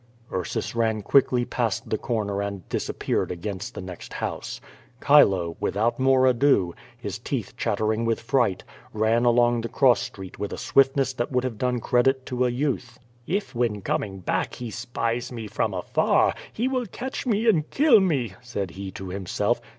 Ursus ran quickly past the corner and disappeared against the next house. Chilo, without more ado, his teeth chatter ing with fright, ran along the cross street with a swiftness that would huve done credit to a youth. "If when coming back he spies me from afar, he will catch me and kill me" said he to himself.